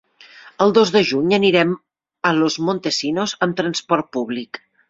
El dos de juny anirem a Los Montesinos amb transport públic.